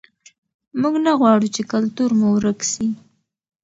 موږ نه غواړو چې کلتور مو ورک سي.